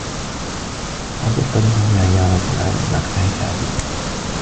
كرة القدم هي رياضة العالم الأكثر شعبيّة.